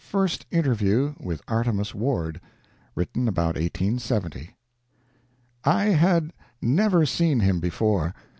FIRST INTERVIEW WITH ARTEMUS WARD [Written about 1870.] I had never seen him before.